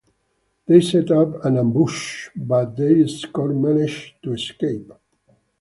They set up an ambush, but the escort manages to escape.